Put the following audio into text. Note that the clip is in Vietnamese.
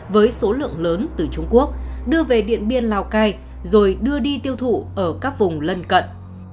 với số lượng lớn từ trung quốc đưa về điện biên lào cai rồi đưa đi tiêu thụ ở các vùng lân cận